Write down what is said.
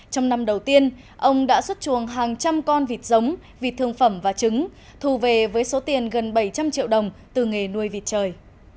trong năm đầu tiên ông đã xuất chuồng hàng trăm con vịt giống vịt thương phẩm và trứng thù về với số tiền gần bảy trăm linh triệu đồng từ nghề nuôi vịt trời